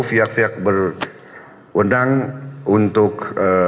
pihak pihak berundang untuk